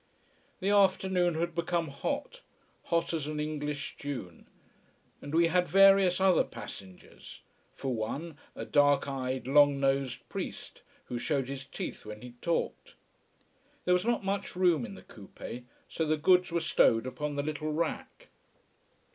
The afternoon had become hot hot as an English June. And we had various other passengers for one a dark eyed, long nosed priest who showed his teeth when he talked. There was not much room in the coupé, so the goods were stowed upon the little rack.